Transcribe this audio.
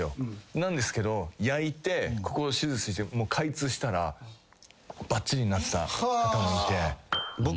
なんですけど焼いてここを手術して開通したらばっちりになってた方もいて。